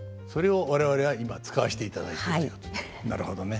それを我々は今使わせていただいていると。